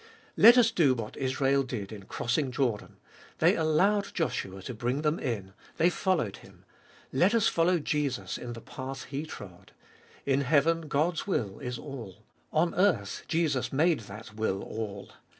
Let us do what Israel did in crossing Jordan ; they allowed Joshua to bring them in ; they followed him. Let us follow Jesus in the path He trod. In heaven God's will is all. On earth Jesus made that will all.